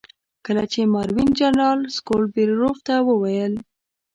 کله چې ماروین جنرال سکوبیلروف ته وویل.